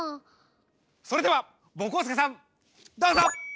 それではぼこすけさんどうぞ！